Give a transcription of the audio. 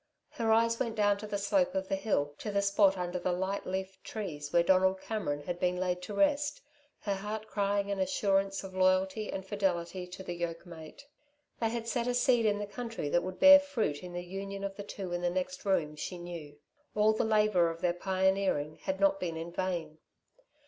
Her eyes went down the slope of the hill to the spot under the light leafed trees where Donald Cameron had been laid to rest, her heart crying an assurance of loyalty and fidelity to the yoke mate. They had set a seed in the country that would bear fruit in the union of the two in the next room, she knew. All the labour of their pioneering had not been in vain.